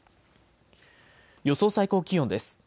予想最高気温です。